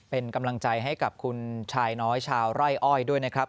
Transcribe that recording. เป็นกำลังใจให้กับคุณชายน้อยชาวไร่อ้อยด้วยนะครับ